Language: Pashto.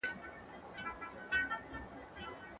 د خیبر لاره باید بنده نه شي.